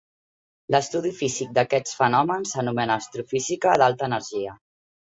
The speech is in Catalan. L'estudi físic d'aquests fenòmens s'anomena astrofísica d'alta energia.